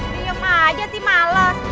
diam aja sih males